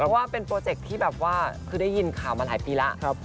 เพราะว่าเป็นโปรเจคที่แบบว่าคือได้ยินข่าวมาหลายปีแล้ว